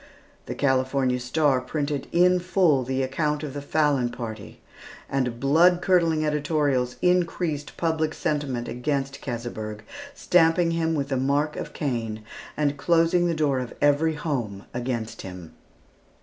The California Star printed in full the account of the Fallon party, and blood curdling editorials increased public sentiment against Keseberg, stamping him with the mark of Cain, and closing the door of every home against him.